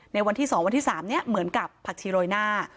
ในวันที่๒วันที่๓นี้เหมือนกับผักชีโรยหน้า